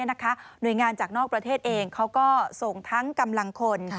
หน่วยงานจากนอกประเทศเองเขาก็ส่งทั้งกำลังคน